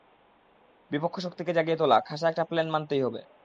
বিপক্ষ শক্তিকে জাগিয়ে তোলা, খাসা একটা প্ল্যান মানতেই হবে!